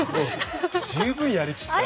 十分やりきったよ。